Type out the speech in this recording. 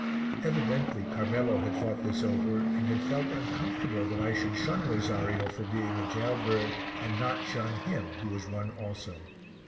Evidently Carmelo had thought this over and had felt uncomfortable that I should shun Rosario for being a jail bird and not shun him who was one also.